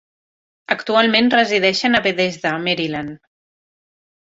Actualment resideixen a Bethesda, Maryland.